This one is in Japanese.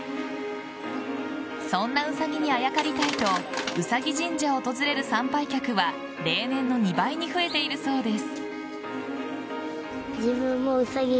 そんなウサギにあやかりたいとウサギ神社を訪れる参拝客は例年の２倍に増えているそうです。